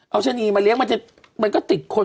เอาชะนีมาเลี้ยงมันก็ติดคน